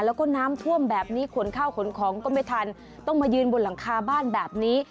แล้วก็น้ำท่วมแบบนี้ขนข้าวขนของก็ไม่ทันต้องมายืนบนหลังคาบ้านแบบนี้